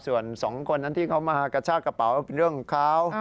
ส่วนสองคนนั้นที่เขามากระชากระเป๋าเป็นเรื่องของเขา